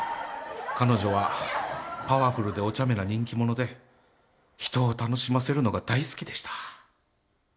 彼女はパワフルでおちゃめな人気者で人を楽しませるのが大好きでした。